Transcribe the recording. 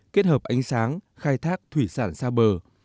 kết hợp ánh sáng khai thác thủy sản xa bờ